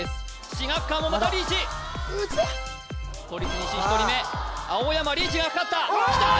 志學館もまたリーチ内田都立西１人目青山リーチがかかったきたー！